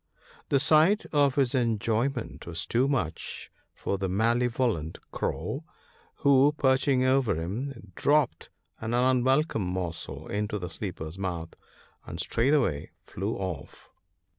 The sight of his enjoy ment was too much for the malevolent Crow, who, perch ing over him, dropped an unwelcome morsel into the sleeper's mouth, and straightway flew off.